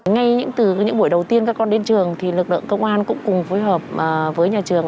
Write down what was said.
ngay những từ những buổi đầu tiên các con đến trường thì lực lượng công an cũng cùng phối hợp với nhà trường